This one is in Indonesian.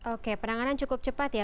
oke penanganan cukup cepat ya